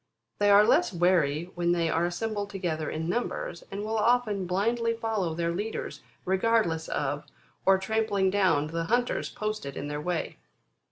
They are less wary when they are assembled together in numbers, and will often blindly follow their leaders, regardless of, or trampling down the hunters posted in their way.